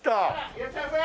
いらっしゃいませ！